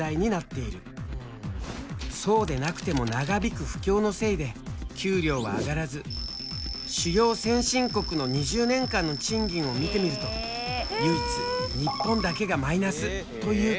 そうでなくても長引く不況のせいで給料は上がらず主要先進国の２０年間の賃金を見てみると唯一日本だけがマイナスという結果に。